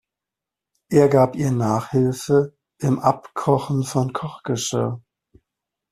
Er gab ihr Nachhilfe im Abkochen von Kochgeschirr.